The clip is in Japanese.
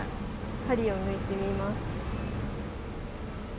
針を抜いてみます。